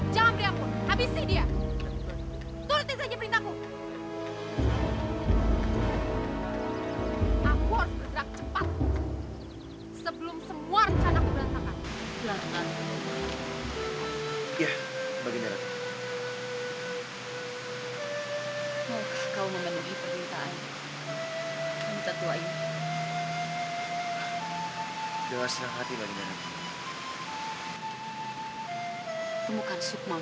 jangan lupa berlangganan